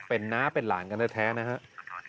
เป็นน้าเป็นหลานกันแท้นะครับ